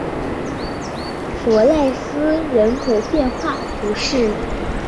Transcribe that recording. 弗赖斯人口变化图示